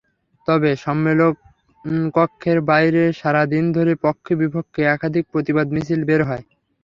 তবে সম্মেলনকক্ষের বাইরে সারা দিন ধরে পক্ষে-বিপক্ষে একাধিক প্রতিবাদ মিছিল বের হয়।